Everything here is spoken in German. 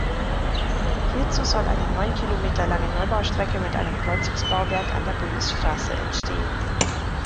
Hierzu soll eine neun Kilometer lange Neubaustrecke mit einem Kreuzungsbauwerk an der Bundesstraße entstehen.